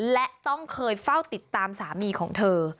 และต้องเคยเฝ้าติดตามสามีของเธอ